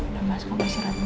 udah mas kau beristirahat dulu